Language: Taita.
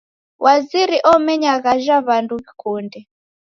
Waziri omenya ghaja w'andu w'ikunde.